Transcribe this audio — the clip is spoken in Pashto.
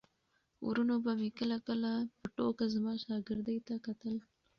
وروڼو به مې کله کله په ټوکه زما شاګردۍ ته کتل.